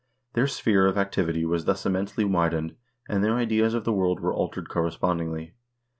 Their sphere of activity was thus immensely widened, and their ideas of the world were altered correspondingly.